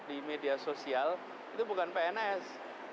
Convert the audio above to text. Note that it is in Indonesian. di media sosial itu bukan pns